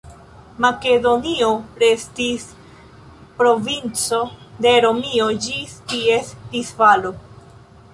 Makedonio restis provinco de Romio ĝis ties disfalo.